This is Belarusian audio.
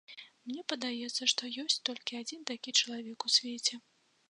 Мне падаецца, што ёсць толькі адзін такі чалавек у свеце.